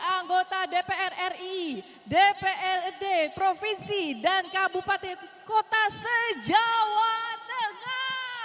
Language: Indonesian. anggota dpr ri dprd provinsi dan kabupaten kota se jawa tengah